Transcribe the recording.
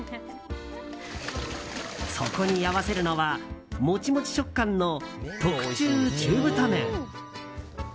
そこに合わせるのはモチモチ食感の特注中太麺。